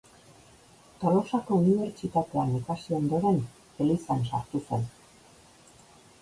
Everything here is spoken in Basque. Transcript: Tolosako Unibertsitatean ikasi ondoren, elizan sartu zen.